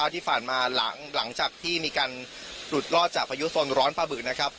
ที่ฝ่านมาหลังจากที่มีการอุดลอดจากประยุทธ์ส่วนร้อนประบึกนะครับ